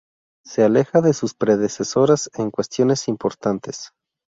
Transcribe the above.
Se aleja de sus predecesoras en cuestiones importantes.